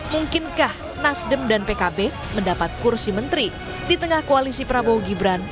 mungkinkah nasdem dan pkb merapat mungkin